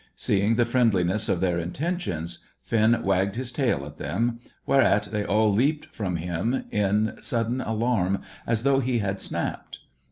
Seeing the friendliness of their intentions, Finn wagged his tail at them, whereat they all leaped from him in sudden alarm as though he had snapped.